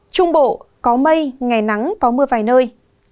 trung bộ có mây ngày nắng có mưa vài nơi